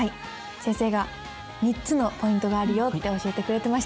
先生が３つのポイントがあるよって教えてくれてました。